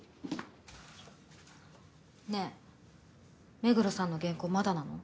ねえ目黒さんの原稿まだなの？